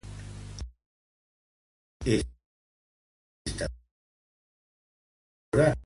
És possible que aquesta llista de models de calculadora no sigui completa.